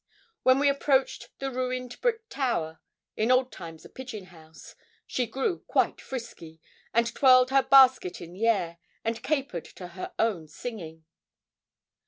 When we approached the ruined brick tower in old times a pigeon house she grew quite frisky, and twirled her basket in the air, and capered to her own singing.